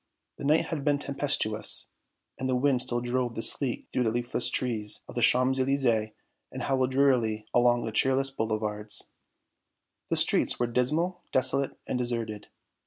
The night had been tempestuous, and the wind still drove the sleet through the leafless trees of the Champs Elysées and howled drearily along the cheerless boulevards. The streets were dismal, desolate and deserted.